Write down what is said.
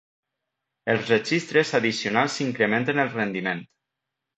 Els registres addicionals incrementen el rendiment.